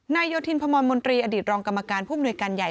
โยธินพมรมนตรีอดีตรองกรรมการผู้มนุยการใหญ่